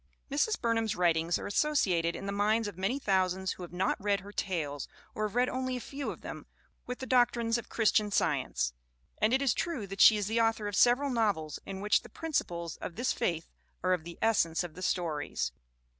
Mrs. Burnham's writings are associated in the minds of many thousands who have not read her tales, or have read only a few of them, with the doc trines of Christian Science. And it is true that she is the author of several novels in which the principles of this faith are of the essence of the stories.